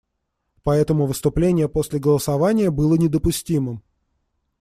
Поэтому выступление после голосования было недопустимым.